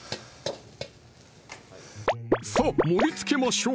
さぁ盛りつけましょう！